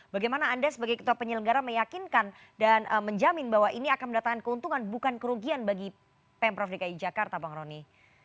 bagaimana anda sebagai ketua penyelenggara meyakinkan dan menjamin bahwa ini akan mendatangkan keuntungan bukan kerugian bagi pemprov dki jakarta bang roni